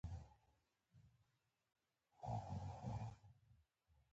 • واده د ټولنې د بقا سبب دی.